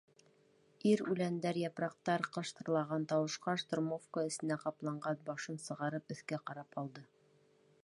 Ир үләндәр, япраҡтар ҡыштырлаған тауышҡа, штормовка эсенән ҡапланған башын сығарып өҫкә ҡарап алды.